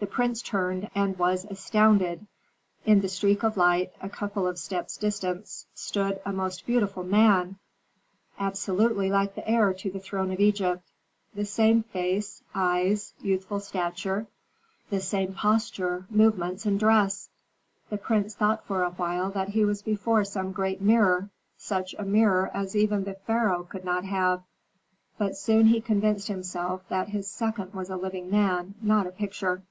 The prince turned and was astounded. In the streak of light, a couple of steps distant, stood a most beautiful man, absolutely like the heir to the throne of Egypt. The same face, eyes, youthful stature, the same posture, movements, and dress. The prince thought for a while that he was before some great mirror, such a mirror as even the pharaoh could not have. But soon he convinced himself that his second was a living man, not a picture.